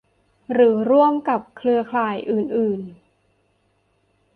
หรือร่วมกับเครือข่ายอื่นอื่น